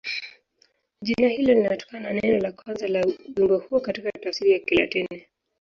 Jina hilo linatokana na neno la kwanza la wimbo huo katika tafsiri ya Kilatini.